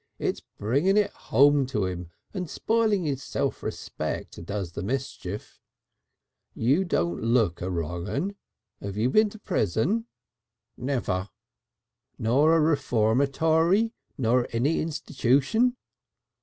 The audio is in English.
It's bringing it home to him, and spoiling his self respect does the mischief. You don't look a wrong 'un. 'Ave you been to prison?" "Never." "Nor a reformatory? Nor any institution?"